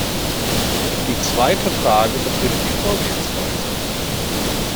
Die zweite Frage betrifft die Vorgehensweise.